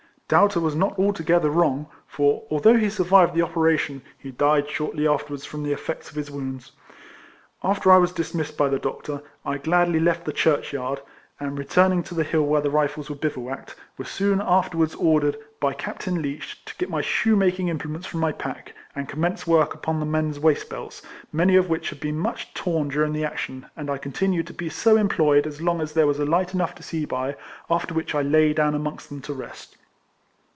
Doubter was not altogether wrong; for, although he survived the operation, he died shortly afterwards from the effects of his wounds. After I was dismissed by the doctor, I gladly left the churchyard, and returning to the hill where the Rifles were bivouacked, was soon afterwards ordered by 94 RECOLLECTIONS OF Captain Leech to get my shoe making im plements from my pack, and commence work upon the men's waist belts, many of which had been much torn during the action, and I continued to be so em ployed as long as there was light enough to see by, after which I lay down amongst them to rest.